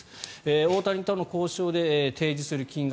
大谷との交渉で提示する金額